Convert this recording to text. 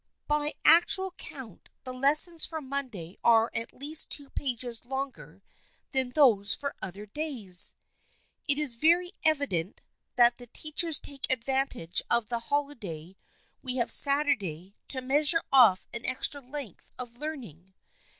By actual count the lessons for Monday are at least two pages longer than those for other days. It is very evident that the teachers take advantage of the holiday we have Saturday to measure off an extra length of learn ing.